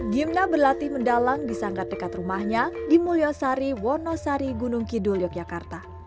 gimna berlatih mendalang di sanggar dekat rumahnya di mulyosari wonosari gunung kidul yogyakarta